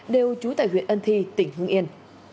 đều trú tại huyện ân thi tỉnh hương yên